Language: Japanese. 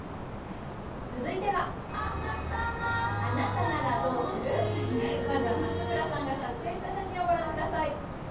続いてはまずは松村さんが撮影した写真をご覧下さい。